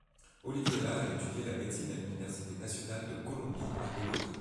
Oliviella a étudié la médecine à l'Université nationale de Colombie à Bogota.